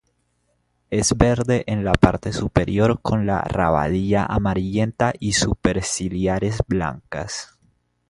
Es verde en la parte superior con la rabadilla amarillenta y superciliares blancas.